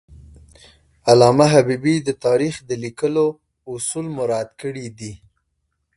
علامه حبیبي د تاریخ د لیکلو اصول مراعات کړي دي.